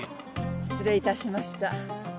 失礼いたしました。